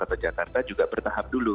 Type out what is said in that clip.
atau jakarta juga bertahap dulu